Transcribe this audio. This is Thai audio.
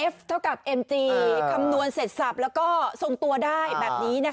เท่ากับเอ็มจีคำนวณเสร็จสับแล้วก็ทรงตัวได้แบบนี้นะคะ